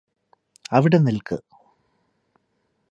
അവിടെ നില്ക്ക്